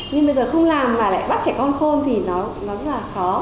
nhưng bây giờ không làm mà lại bắt trẻ con khôn thì nó rất là khó